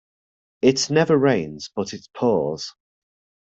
It never rains but it pours.